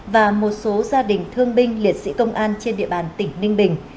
và một số gia đình thương binh liệt sĩ công an trên địa bàn tỉnh ninh bình